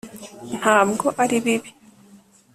ntabwo ari bibi